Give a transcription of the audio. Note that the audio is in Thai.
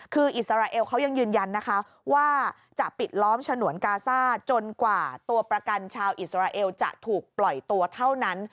คืออิสราเอลเขายังยืนยันนะคะว่าจะปิดล้อมฉนวนกาซ่าจนกว่าตัวประกันชาวอิสราเอลจะถูกปล่อยตัวเท่านั้น